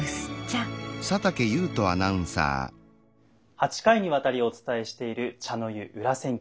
８回にわたりお伝えしている「茶の湯裏千家」。